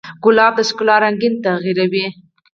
ګلاب د ښکلا رنګین تعبیر دی.